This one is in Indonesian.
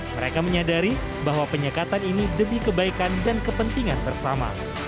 mereka menyadari bahwa penyekatan ini demi kebaikan dan kepentingan bersama